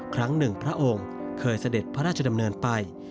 ครั้งหนึ่งพระองค์เคยเสด็จพระราชดำเนินไป